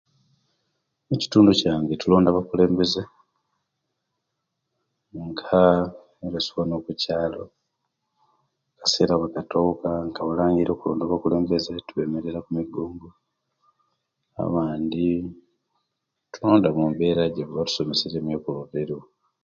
Mukitundu kiyange tulonda abakulembeze nga lc 1 owokukyalo akasera obwe katuka nga balangira okulonda abakulembeze twemerera kumigongo abandi tulonda mubera ejeba tusomeseriye eyokulonda eriwo